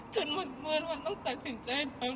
ฉันเหมือนมันต้องตัดสินใจพร้อม